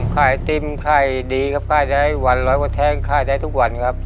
ไอติมขายดีครับค่ายได้วันร้อยกว่าแท่งขายได้ทุกวันครับ